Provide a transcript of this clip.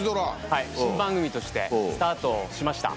新番組としてスタートしました。